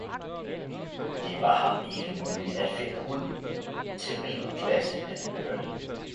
det var ham ikke muligt at finde ud, til hvilken klasse den hørte.